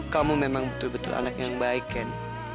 kamu memang betul betul anak yang baik kan